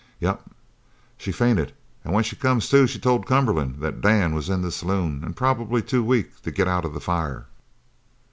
"Yep. She fainted an' when she come to, she told Cumberland that Dan was in the saloon, an' probably too weak to get out of the fire.